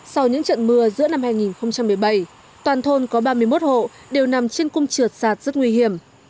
sau những trận mưa giữa năm hai nghìn một mươi bảy toàn thôn có ba mươi một hộ đều nằm trên cung trượt sạt rất nguy hiểm